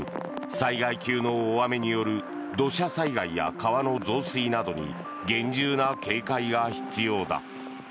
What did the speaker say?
災害級の大雨による土砂災害や川の増水などに厳重な警戒が必要だ。